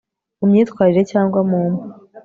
Mu myitwarire cyangwa mu mpu